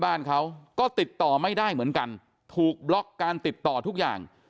บ้านเขาก็ติดต่อไม่ได้เหมือนกันถูกบล็อกการติดต่อทุกอย่าง